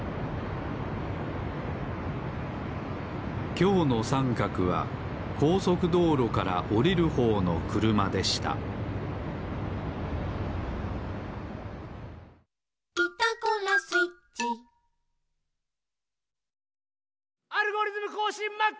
きょうのさんかくはこうそくどうろからおりるほうのくるまでした「アルゴリズムこうしんＭＡＸ」！